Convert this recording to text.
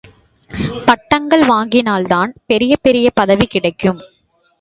பட்டங்கள் வாங்கினால் தான் பெரியபெரிய பதவி கிடைக்கும்.